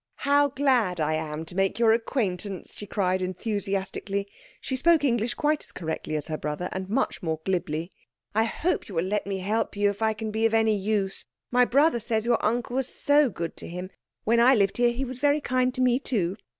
"How glad I am to make your acquaintance!" she cried enthusiastically. She spoke English quite as correctly as her brother, and much more glibly. "I hope you will let me help you if I can be of any use. My brother says your uncle was so good to him. When I lived here he was very kind to me too.